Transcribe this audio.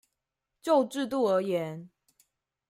就制度而言